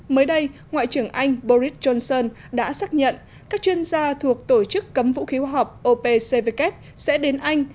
mới đây ngoại trưởng anh boris johnson đã xác nhận các chuyên gia thuộc tổ chức cấm vũ khí họp opcvk sẽ đến anh